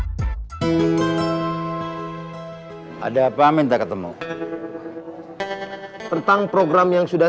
ternyata tidak bisa berjalan sesuai dengan program yang saya buat